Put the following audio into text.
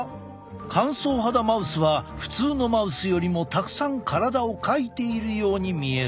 乾燥肌マウスは普通のマウスよりもたくさん体をかいているように見える。